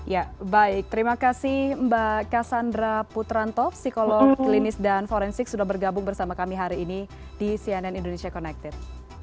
ya baik terima kasih mbak cassandra putranto psikolog klinis dan forensik sudah bergabung bersama kami hari ini di cnn indonesia connected